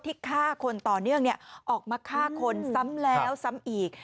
ที่ฆ่าคนต่อเนื่องออกมาฆ่าคนซ้ำแล้วซ้ำอีก